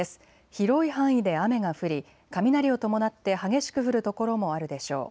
広い範囲で雨が降り雷を伴って激しく降る所もあるでしょう。